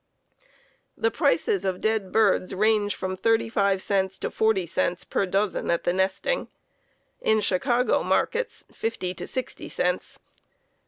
The prices of dead birds range from thirty five cents to forty cents per dozen at the nesting. In Chicago markets fifty to sixty cents.